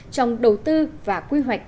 trong đầu tư và quy hoạch